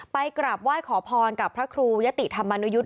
ไปกราบว่ายขอพรกับพระครูยะติธรรมนุยุษย์